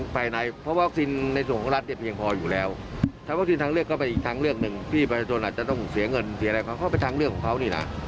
พี่บาชโน้นอาจจะต้องเสียเงินเสียอะไรก็เข้าไปทั้งเรื่องของเขานี่น่ะ